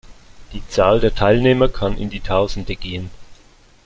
Die Zahl der Teilnehmer kann in die tausende gehen.